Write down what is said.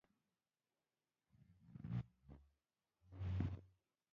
احمد په تجارت کې لوبه بایلوله او ډېر لوی زیان یې وکړ.